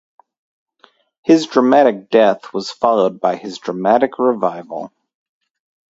His dramatic death was followed by his dramatic revival.